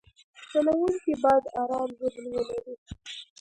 چلوونکی باید ارام ذهن ولري.